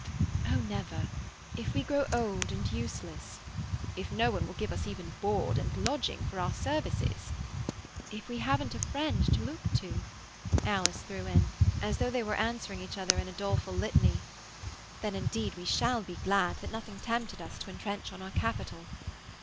"Oh, never! If we grow old and useless—" "If no one will give us even board and lodging for our services—" "If we haven't a friend to look to," Alice threw in, as though they were answering each other in a doleful litany, "then indeed we shall be glad that nothing tempted us to entrench on our capital!